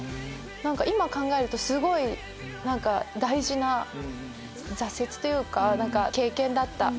今考えるとすごい大事な挫折というか経験だった。